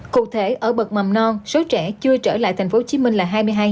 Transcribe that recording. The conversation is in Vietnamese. cụ thể ở bậc mầm non số trẻ chưa trở lại tp hcm là hai mươi hai